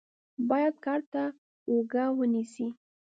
بايد کار ته دې اوږه ونيسې.